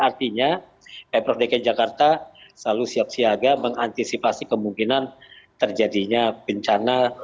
artinya pemprov dki jakarta selalu siap siaga mengantisipasi kemungkinan terjadinya bencana